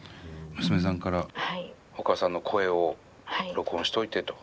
娘さんからお母さんの声を録音しておいてと。